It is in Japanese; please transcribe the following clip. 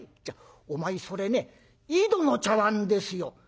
お前それね『井戸の茶碗』ですよ。